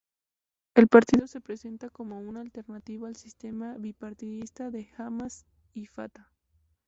El partido se presenta como una alternativa al sistema bipartidista de Hamás y Fatah.